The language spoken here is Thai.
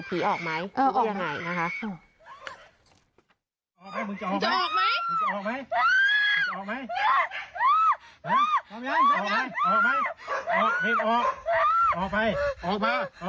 ผีออกไหมคือยังไงนะคะอ่าออกไหม